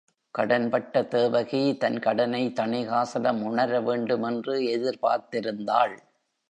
கடன் பட்ட தேவகி தன் கடனை தணிகாசலம் உணர வேண்டுமென்று எதிர்பார்த்திருந்தாள்.